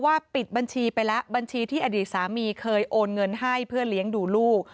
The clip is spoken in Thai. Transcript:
ปิดบัญชีไปแล้วบัญชีที่อดีตสามีเคยโอนเงินให้เพื่อเลี้ยงดูลูก